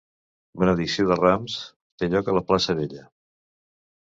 Benedicció de Rams: té lloc a la Plaça Vella.